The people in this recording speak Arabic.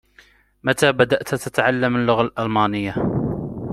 متى بدأت تتعلم اللّغة الألمانية ؟